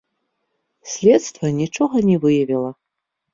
Следства нічога не выявіла.